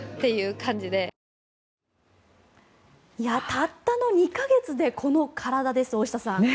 たったの２か月でこの体です、大下さん。